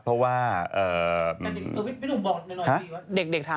เพราะว่าอ่าาะ